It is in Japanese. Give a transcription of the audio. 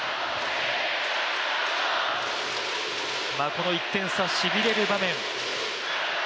この１点差、しびれる場面。